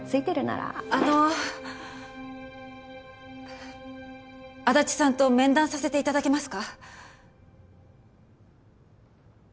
あの足立さんと面談させて頂けますか？